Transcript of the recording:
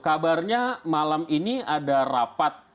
kabarnya malam ini ada rapat